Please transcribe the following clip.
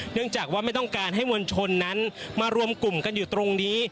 เนื่องจากว่าไม่ต้องการให้มวลชนนั้นมารวมกลุ่มกันอยู่ตรงนี้